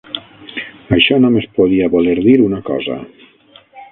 Això només podia voler dir una cosa